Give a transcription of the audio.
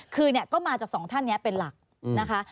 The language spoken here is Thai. คือเนี่ยก็มาจากสองท่านเนี่ยเป็นหลักนะคะ